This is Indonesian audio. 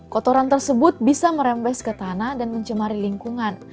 kotoran tersebut bisa merembes ke tanah dan mencemari lingkungan